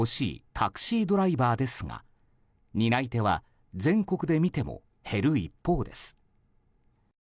タクシードライバーですが担い手は全国で見ても減る一方です。